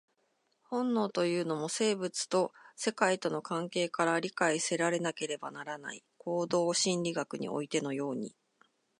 本能というのも、生物と世界との関係から理解せられなければならない、行動心理学においてのように。